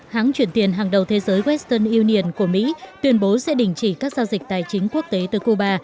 hãng chuyển tiền hàng đầu thế giới western union của mỹ tuyên bố sẽ đình chỉ các giao dịch tài chính quốc tế từ cuba